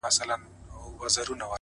نن دي دواړي سترگي سرې په خاموشۍ كـي-